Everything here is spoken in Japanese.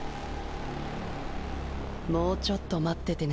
もうちょっと待っててね。